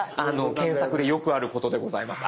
検索でよくあることでございます。